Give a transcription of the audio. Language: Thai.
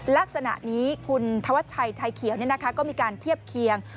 ลักษณะนี้คุณธวัชชัยไทยเขียวก็มีการเทียบเคียง